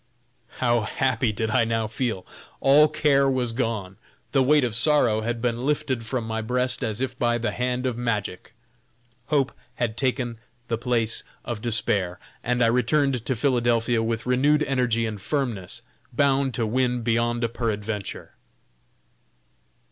How happy did I now feel! All care was gone, the weight of sorrow had been lifted from my breast as if by the hand of magic: hope had taken the place of despair, and I returned to Philadelphia with renewed energy and firmness, bound to win beyond a peradventure.